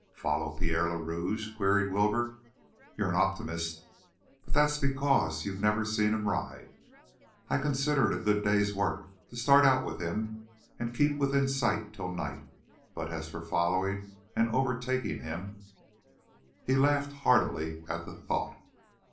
"Follow Pierre le Rouge?" queried Wilbur. "You're an optimist. But that's because you've never seen him ride. I consider it a good day's work to start out with him and keep within sight till night, but as for following and over taking him " He laughed heartily at the thought.